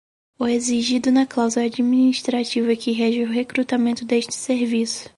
O exigido na cláusula administrativa que rege o recrutamento deste serviço.